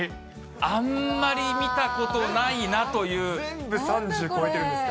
あんまり見たことないなとい全部３０超えてるんですか？